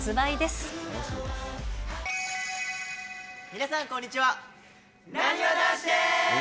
皆さん、こんにちは。